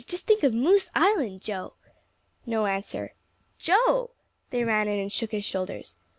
just think of Moose Island, Joe." No answer. "Joe!" They ran in and shook his shoulders.